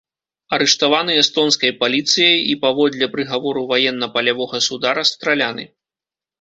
Арыштаваны эстонскай паліцыяй і паводле прыгавору ваенна-палявога суда расстраляны.